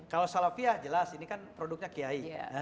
kalau salafiah jelas ini kan produknya kiai